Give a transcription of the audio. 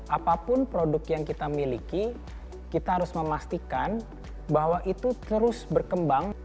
apapun produk yang kita miliki kita harus memastikan bahwa itu terus berkembang